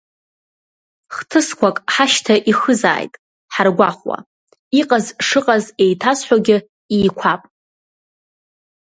Хҭысқәак ҳашьҭа ихызааит ҳаргәаҟуа, иҟаз шыҟаз еиҭазҳәогьы ииқәап.